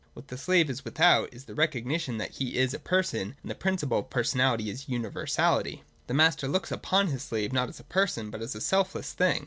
What the slave is without, is the recognition that he is a person : and the principle of personality is universality. The master looks upon his slave not as a person, but as a selfless thing.